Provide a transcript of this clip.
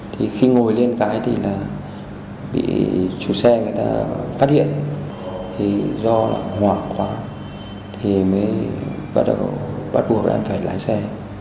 thì khi ngồi lên cái thì là bị chủ xe người ta phát hiện thì do là hoảng quá thì mới bắt buộc em phải lái xe